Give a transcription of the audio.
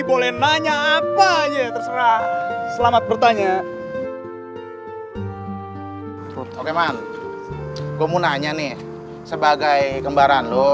boleh nanya apa aja terserah selamat bertanya oke man gue mau nanya nih sebagai kembaran lo